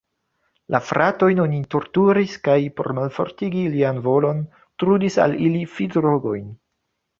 La fratojn oni torturis kaj, por malfortigi ilian volon, trudis al ili fidrogojn.